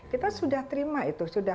kita sudah terima itu